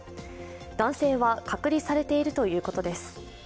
男性は隔離されているということです。